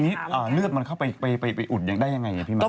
ไม่แต่ว่าเลือดมันเข้าไปอุดยังได้ยังไงพี่มา